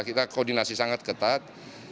kita koordinasi sangat ketat